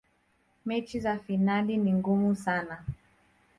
mechi za fainali ni ngumu sana